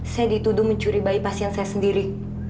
saya dituduh mencuri bayi pasien saya sendiri